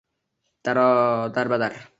Darbadar.